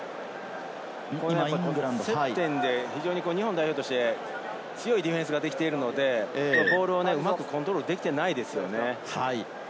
接点で日本代表として強いディフェンスができているので、ボールをうまくコントロールできていないですね。